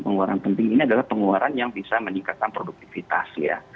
pengeluaran penting ini adalah pengeluaran yang bisa meningkatkan produktivitas ya